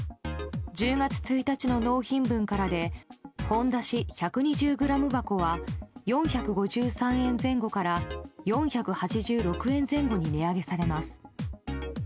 １０月１日の納品分からでほんだし１２０ｇ箱は４５３円から４８６円前後に値上げされます。